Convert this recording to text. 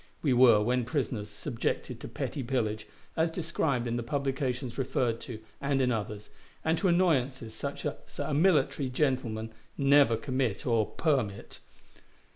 We were, when prisoners, subjected to petty pillage, as described in the publications referred to, and in others; and to annoyances such as military gentlemen never commit or permit.